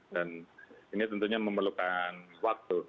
dan ini tentunya memerlukan waktu